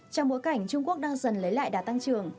trong bối cảnh trung quốc đang dần lấy lại đá tăng trưởng